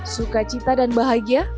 suka cita dan bahagia